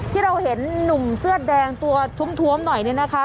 ที่เราเห็นหนุ่มเสื้อแดงตัวท้วมหน่อยเนี่ยนะคะ